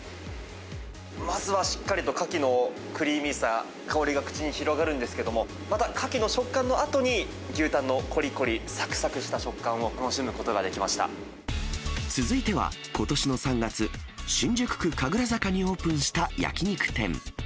まずはしっかりとカキのクリーミーさ、香りが口に広がるんですけれども、またカキの食感のあとに、牛タンのこりこり、さくさくした食感を続いては、ことしの３月、新宿区神楽坂にオープンした焼き肉店。